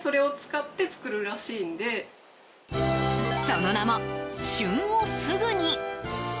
その名も、旬をすぐに。